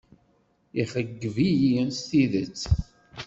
Ixeyyeb-iyi s tidet.